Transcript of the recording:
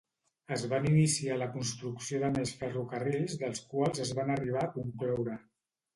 Es van iniciar la construcció de més ferrocarrils dels quals es van arribar a concloure.